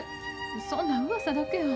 そんなんうわさだけや。